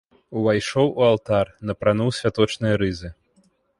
Увайшоў у алтар, напрануў святочныя рызы.